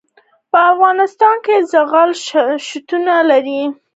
په افغانستان کې زغال شتون لري.